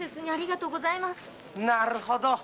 なるほど。